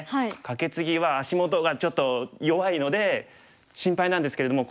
カケツギは足元がちょっと弱いので心配なんですけれども。